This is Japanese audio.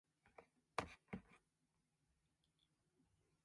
学園祭は楽しいです。